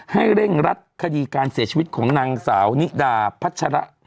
เร่งรัดคดีการเสียชีวิตของนางสาวนิดาพัชระ